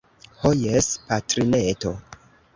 Ho jes, patrineto.